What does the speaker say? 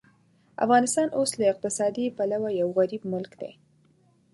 افغانستان اوس له اقتصادي پلوه یو غریب ملک دی.